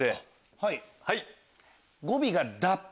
はい。